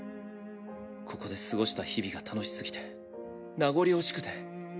ここで過ごした日々が楽しすぎて名残惜しくて。